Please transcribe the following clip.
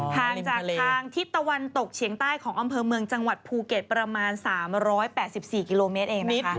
ทางจากทางทิศตะวันตกเฉียงใต้ของอำเภอเมืองจังหวัดภูเก็ตประมาณ๓๘๔กิโลเมตรเองนะคะ